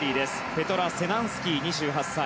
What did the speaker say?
ペトラ・セナンスキー、２８歳。